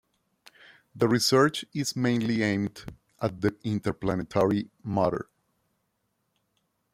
The research is mainly aimed at the interplanetary matter.